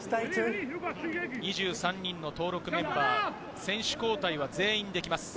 ２３人の登録メンバー、選手交代は全員できます。